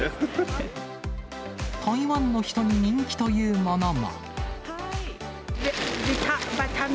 台湾の人に人気というものも。